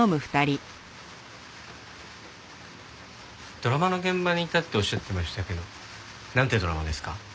ドラマの現場にいたっておっしゃってましたけどなんていうドラマですか？